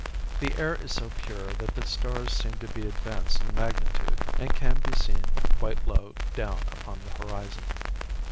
The air is so pure that the stars seem to be advanced in magnitude and can be seen quite low down upon the horizon.